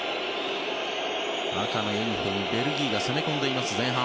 赤のユニホーム、ベルギーが攻め込んでいます前半。